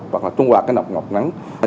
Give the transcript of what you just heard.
hoặc trung hoạt độc ngọt ngắn